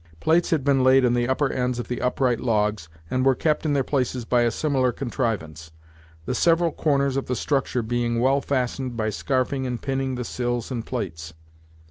Plates had been laid on the upper ends of the upright logs, and were kept in their places by a similar contrivance; the several corners of the structure being well fastened by scarfing and pinning the sills and plates.